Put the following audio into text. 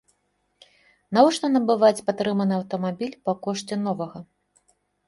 Навошта набываць патрыманы аўтамабіль па кошце новага.